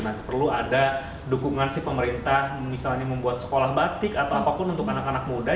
masih perlu ada dukungan si pemerintah misalnya membuat sekolah batik atau apapun untuk anak anak muda